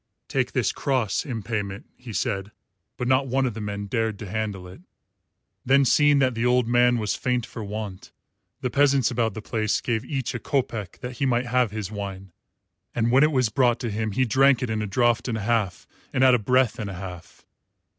"Take this cross in payment," he said, but not one of the men dared to handle it. Then seeing that the old man was faint for want, the peasants about the place gave each a kopeck that he might have his wine; and when it was brought to him he drank it in a draught and a half and at a breath and a half.